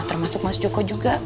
termasuk mas joko juga